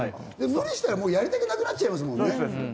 無理したら、もうやりたくなくなっちゃいますもんね。